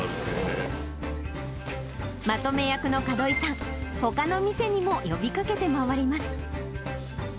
まとめ役の門井さん、ほかの店にも呼びかけて回ります。